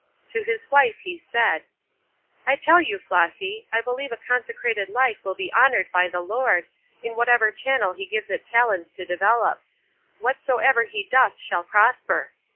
To his wife he said: "I tell you, Flossy, I believe a consecrated life will be honored by the Lord, in whatever channel he gives it talents to develop. 'Whatsoever he doth shall prosper.'